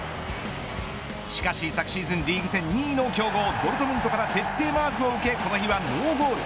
しかし昨シーズンリーグ戦２位の強豪ドルトムントから徹底マークを受けこの日はノーゴール。